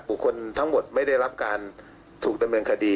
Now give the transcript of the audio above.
บุคคลทั้งหมดไม่ได้รับการถูกระเมิงคดี